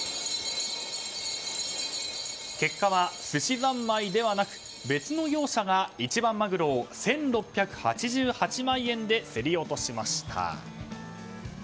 結果はすしざんまいではなく別の業者が一番マグロを１６８８万円で競り落としました。